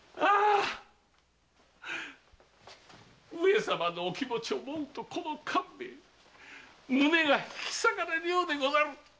上様のお気持ちを思うとこの官兵衛胸が引き裂かれるようでござる！